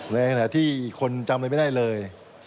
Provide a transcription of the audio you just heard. ในขณะที่อีกคนจำเลยไม่ได้เลย